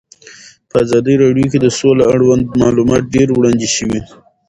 په ازادي راډیو کې د سوله اړوند معلومات ډېر وړاندې شوي.